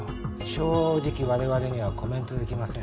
正直我々にはコメントできません